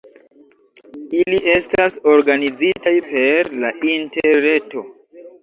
Ili estas organizitaj per la interreto.